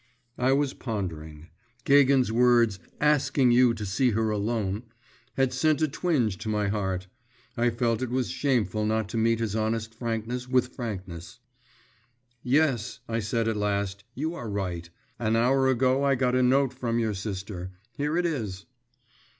I was pondering. Gagin's words 'asking you to see her alone,' had sent a twinge to my heart. I felt it was shameful not to meet his honest frankness with frankness. 'Yes,' I said at last; 'you are right. An hour ago I got a note from your sister. Here it is.